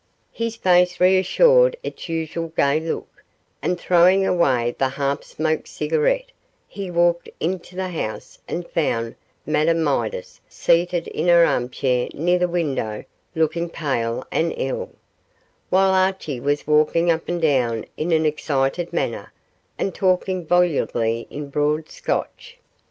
His face reassumed its usual gay look, and throwing away the half smoked cigarette, he walked into the house and found Madame Midas seated in her arm chair near the window looking pale and ill, while Archie was walking up and down in an excited manner, and talking volubly in broad Scotch.